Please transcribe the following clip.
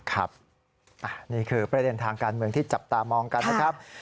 ครับนี่คือประเด็นทางการเมืองที่จับตามองกันนะครับ